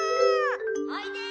・おいで！